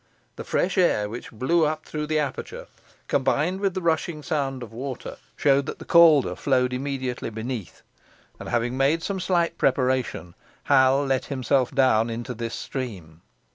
The fresh air which blew up through the aperture, combined with the rushing sound of water, showed that the Calder flowed immediately beneath; and, having made some slight preparation, Hal let himself down into the stream.